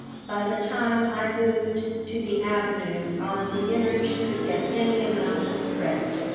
By the time I moved to the avenue our beginners could get any amount of credit.